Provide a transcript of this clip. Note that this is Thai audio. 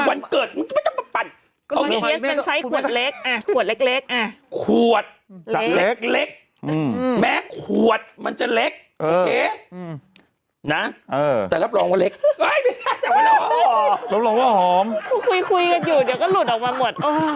มันคุยผมนะอย่างนั้นก็หลุดออกมาหมด